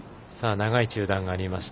長い中断がありました。